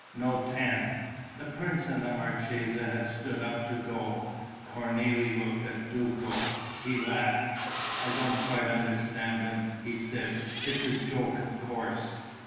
"No, ten." The prince and the marchesa had stood up to go. Cornélie looked at Duco. He laughed: "I don't quite understand them," he said. "It's a joke, of course."